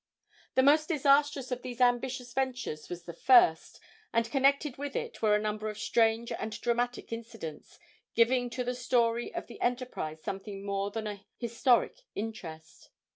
The most disastrous of these ambitious ventures was the first, and connected with it were a number of strange and dramatic incidents, giving to the story of the enterprise something more than a historic interest.